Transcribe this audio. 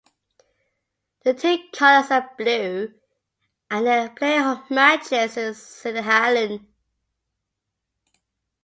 The team colors are blue and they play home matches in Siddishallen.